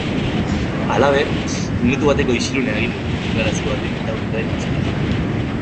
Halaber, minutu bateko isilunea egin du, deklarazio baten irakurketaren ostean.